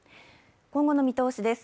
今後の見通しです。